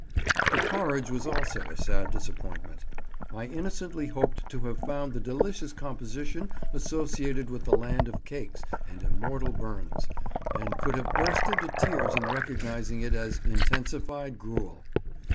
The porridge was also a sad disappointment. I innocently hoped to have found the delicious composition associated with the land of cakes and immortal Burns, and could have burst into tears in recognising it as intensified gruel.